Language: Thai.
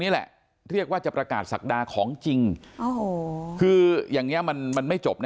นี่แหละเรียกว่าจะประกาศศักดาของจริงโอ้โหคืออย่างนี้มันมันไม่จบนะ